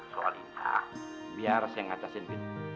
soal indah biar saya ngatasin bin